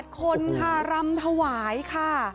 คนค่ะรำถวายค่ะ